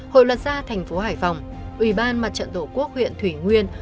hội luật gia thành phố hải phòng ubnd tổ quốc huyện thủy nguyên